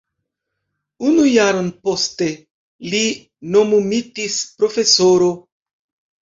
Unu jaron poste li nomumitis profesoro.